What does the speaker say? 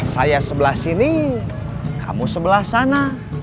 saya sebelah sini kamu sebelah sana